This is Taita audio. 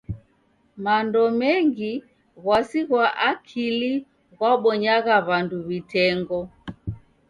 Mando mengi w'asi ghwa akili ghwabonyagha w'andu w'itengo.